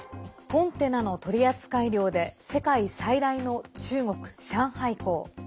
コンテナの取扱量で世界最大の中国・上海港。